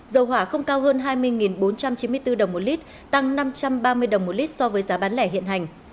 dầu hỏa không cao hơn hai mươi bốn trăm chín mươi bốn đồng một lít tăng năm trăm ba mươi đồng một lít so với giá bán lẻ hiện hành